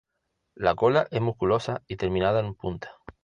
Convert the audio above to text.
La cola es musculosa y terminada en punta.